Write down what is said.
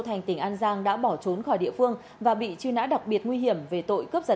thành tỉnh an giang đã bỏ trốn khỏi địa phương và bị truy nã đặc biệt nguy hiểm về tội cướp giật